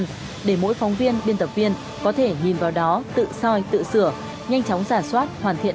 để mỗi phóng viên biên tập viên có thể nhìn vào đó tự soi tự sửa nhanh chóng giả soát hoàn thiện